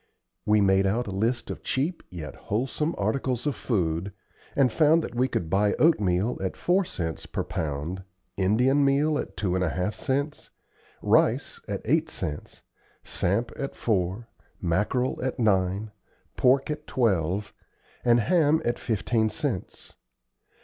We made out a list of cheap, yet wholesome, articles of food, and found that we could buy oatmeal at four cents per pound, Indian meal at two and a half cents, rice at eight cents, samp at four, mackerel at nine, pork at twelve, and ham at fifteen cents.